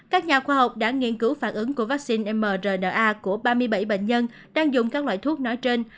các nhà khoa học đã nghiên cứu phản ứng của vaccine mrna của ba mươi bảy bệnh nhân đang dùng các loại thuốc nói trên